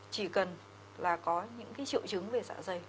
chỉ cần là có những triệu chứng về dạ dày